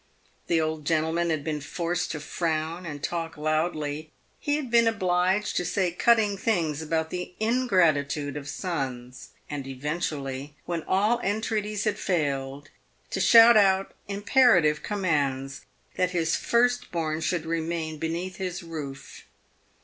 The old gentleman had been forced to frown and talk loudly ; he had been obliged to say cutting things about the ingratitude of sons ; and eventually, when all entreaties had failed, to shout out imperative commands that his first born should remain beneath his roof.